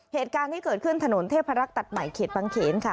เหตุการณ์ที่เกิดขึ้นถนนเทพรักษ์ตัดใหม่เขตบางเขนค่ะ